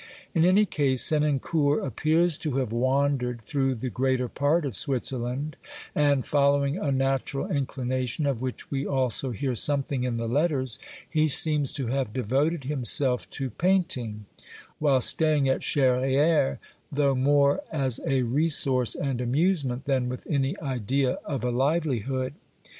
In any case, Senancour appears to have wandered through the greater part of Switzerland and, following a natural inclina tion, of which we also hear something in the letters, he seems to have devoted himself to painting, while staying at Charrieres, though more as a resource and amusement than with any idea of a livelihood.